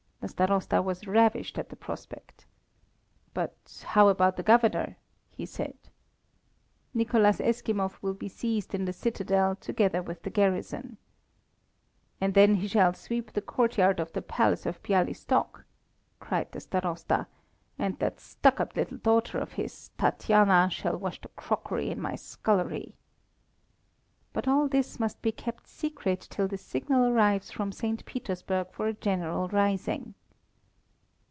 The Starosta was ravished at the prospect. "But how about the Governor?" he said. "Nicholas Eskimov will be seized in the citadel, together with the garrison." "And then he shall sweep the courtyard of the Palace of Bialystok," cried the Starosta, "and that stuck up little daughter of his, Tatiana, shall wash the crockery in my scullery." "But all this must be kept secret till the signal arrives from St. Petersburg for a general rising."